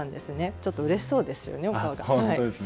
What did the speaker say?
ちょっとうれしそうですよね。